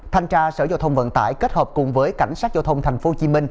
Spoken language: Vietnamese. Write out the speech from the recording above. thành trà sở giao thông vận tải kết hợp cùng với cảnh sát giao thông tp hcm